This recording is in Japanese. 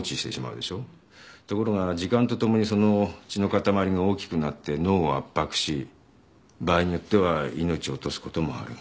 ところが時間とともにその血の塊が大きくなって脳を圧迫し場合によっては命を落とすこともある。